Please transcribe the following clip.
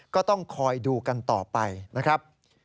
ก็ต้องคอยดูกันต่อไปนะครับ